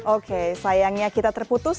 oke sayangnya kita terputus